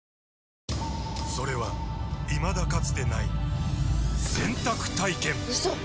それはいまだかつてない洗濯体験‼うそっ！